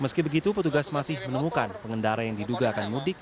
meski begitu petugas masih menemukan pengendara yang diduga akan mudik